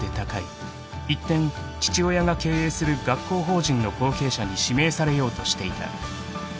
［一転父親が経営する学校法人の後継者に指名されようとしていた］